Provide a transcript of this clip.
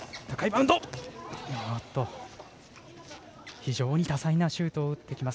非常に多彩なシュートを打ってきます